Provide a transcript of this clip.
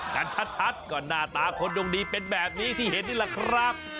กันชัดก็หน้าตาคนดวงดีเป็นแบบนี้ที่เห็นนี่แหละครับ